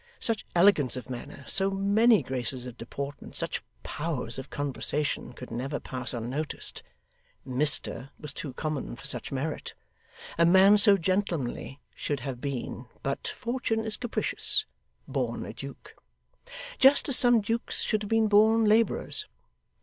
Such elegance of manner, so many graces of deportment, such powers of conversation, could never pass unnoticed. Mr was too common for such merit. A man so gentlemanly should have been but Fortune is capricious born a Duke: just as some dukes should have been born labourers.